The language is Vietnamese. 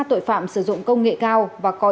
tội phạm sử dụng công nghệ cao và có